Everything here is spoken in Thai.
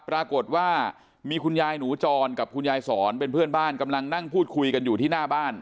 ปรากฏว่ามีคุณยายหนูจรกับคุณยายสอนเป็นเพื่อนบ้านกำลังนั่งพูดคุยกันอยู่ที่หน้าบ้าน